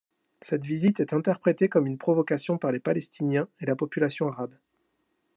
Cette visite est interprétée comme une provocation par les Palestiniens et la population arabe.